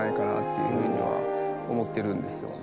いうふうには思ってるんですよね。